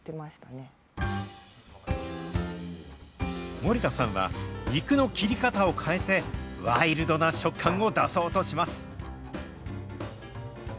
森田さんは、肉の切り方を変えて、ワイルドな食感を出そうとします。